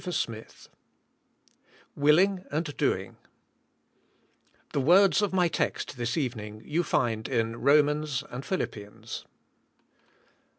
173 TOlillina anb Doing* The words of my text, this evening, you find in Romans and Philippians.